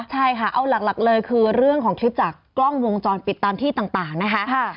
ใช่ค่ะเอาหลักเลยคือเรื่องของคลิปจากกล้องวงจรปิดตามที่ต่างนะคะ